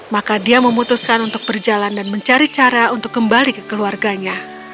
maka dia memutuskan untuk berjalan dan mencari cara untuk kembali ke keluarganya